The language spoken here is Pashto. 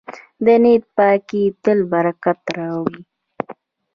د نیت پاکي تل برکت راوړي.